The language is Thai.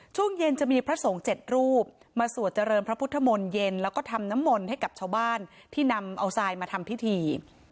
ช่วงเย็นจะมีพระสงฆ์๗รูปมาสวดเจริญพระพุทธมนต์เย็นแล้วก็ทำน้ำมนต์ให้กับชาวบ้านที่นำเอาทรายมาทำพิธี